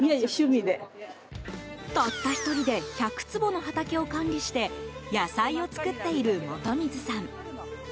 たった１人で１００坪の畑を管理して野菜を作っている本水さん。